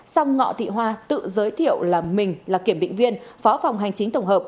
xong ngọ thị hoa tự giới thiệu là mình là kiểm định viên phó phòng hành chính tổng hợp